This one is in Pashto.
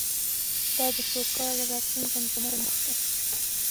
دا د سوکاله راتلونکې د زمزمو وخت و.